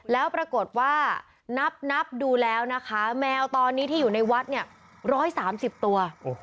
แล้วปรากฏว่านับดูแล้วนะคะแมวตอนนี้ที่อยู่ในวัดเนี่ย๑๓๐ตัว